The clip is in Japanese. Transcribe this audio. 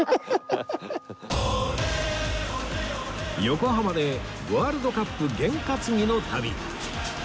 横浜でワールドカップ験担ぎの旅